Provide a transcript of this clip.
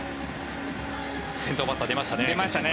先頭バッター出ましたね。